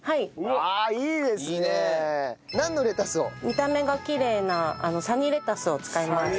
見た目がきれいなサニーレタスを使います。